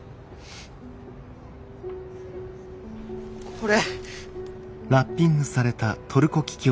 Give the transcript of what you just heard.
これ。